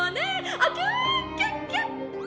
あっキュキュッキュッ！」。